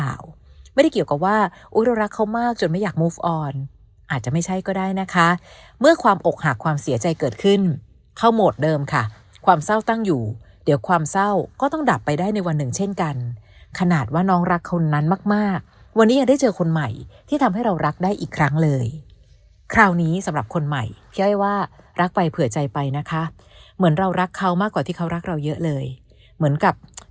ไม่ได้เกี่ยวกับว่าอุ๊ยเรารักเขามากจนไม่อยากมูฟออนอาจจะไม่ใช่ก็ได้นะคะเมื่อความอกหักความเสียใจเกิดขึ้นเข้าโหมดเดิมค่ะความเศร้าตั้งอยู่เดี๋ยวความเศร้าก็ต้องดับไปได้ในวันหนึ่งเช่นกันขนาดว่าน้องรักคนนั้นมากมากวันนี้ยังได้เจอคนใหม่ที่ทำให้เรารักได้อีกครั้งเลยคราวนี้สำหรับคนใหม่พี่อ้อยว่ารักไปเผื่อใจไปนะคะเหมือนเรารักเขามากกว่าที่เขารักเราเยอะเลยเหมือนกับ